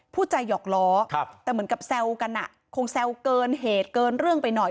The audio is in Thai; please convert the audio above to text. ผู้ใจหยอกล้อแต่เหมือนกับแซวกันอ่ะคงแซวเกินเหตุเกินเรื่องไปหน่อย